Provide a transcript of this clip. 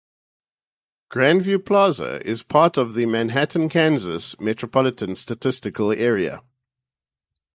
Grandview Plaza is part of the Manhattan, Kansas Metropolitan Statistical Area.